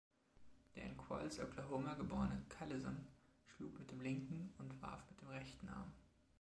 Der in Qualls, Oklahoma, geborene Callison schlug mit dem linken und warf mit dem rechten Arm.